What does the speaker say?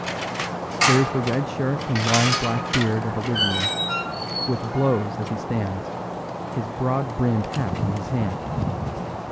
There is the red shirt and long black beard of Olivier, which blows as he stands, his broad brimmed hat in his hand.